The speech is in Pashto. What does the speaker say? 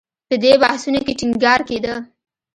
په دې بحثونو کې ټینګار کېده